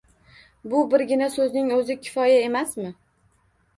Bu birgina so’zning o’zi kifoya emasmi?